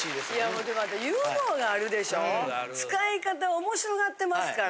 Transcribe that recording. ・うんある・使い方面白がってますから。